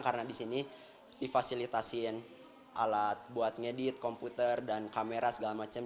karena di sini difasilitasiin alat buat ngedit komputer dan kamera segala macam